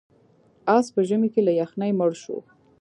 اس په ژمي کې له یخنۍ مړ شو.